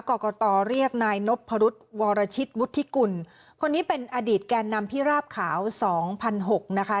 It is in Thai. กรกตเรียกนายนพรุษวรชิตวุฒิกุลคนนี้เป็นอดีตแก่นำพิราบขาวสองพันหกนะคะ